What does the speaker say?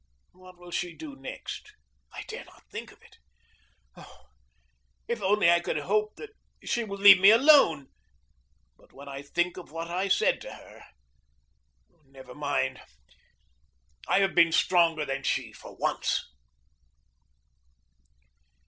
What will she do next? I dare not think of it. Oh, if only I could hope that she will leave me alone! But when I think of what I said to her Never mind; I have been stronger than she for once.